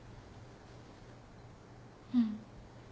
うん。